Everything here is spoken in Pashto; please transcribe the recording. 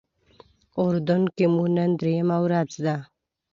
اردن کې مو نن درېیمه ورځ ده.